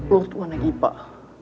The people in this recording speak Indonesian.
lu tuh anak ibu pak